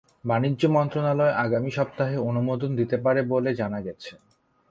বাণিজ্য মন্ত্রণালয় আগামী সপ্তাহে অনুমোদন দিতে পারে বলে জানা গেছে।